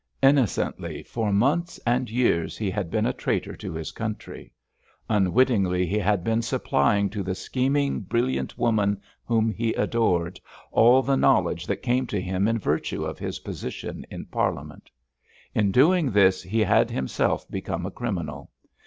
Innocently for months and years he had been a traitor to his country. Unwittingly he had been supplying to the scheming, brilliant woman whom he adored, all the knowledge that came to him in virtue of his position in Parliament. In doing this he had himself become a criminal.